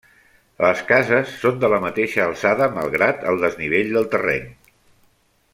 Les cases són de la mateixa alçada malgrat el desnivell del terreny.